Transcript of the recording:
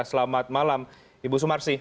selamat malam ibu sumarsih